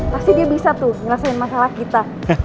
pasti dia bisa tuh nyelesain masalah kita